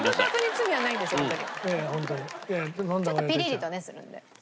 ちょっとピリリとねするので。